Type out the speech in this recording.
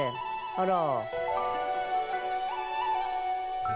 あら」